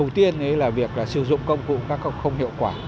đầu tiên là việc sử dụng công cụ các không hiệu quả